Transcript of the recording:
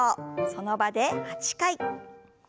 その場で８回。